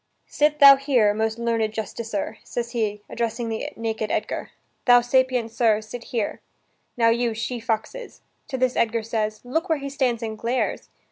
"Sit thou here, most learned justicer," says he, addressing the naked Edgar; "Thou, sapient sir, sit here. Now, you she foxes." To this Edgar says: "Look where he stands and glares!